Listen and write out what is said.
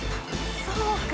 そうか。